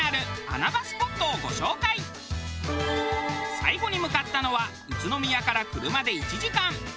最後に向かったのは宇都宮から車で１時間。